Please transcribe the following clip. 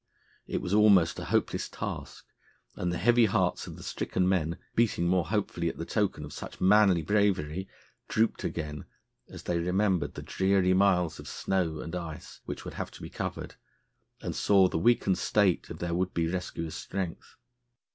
It was almost a hopeless task, and the heavy hearts of the stricken men, beating more hopefully at the token of such manly bravery, drooped again as they remembered the dreary miles of snow and ice which would have to be covered, and saw the weakened state of their would be rescuer's strength.